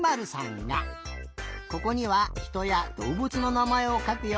ここには「ひとやどうぶつ」のなまえをかくよ。